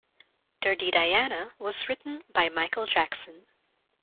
"Dirty Diana" was written by Michael Jackson.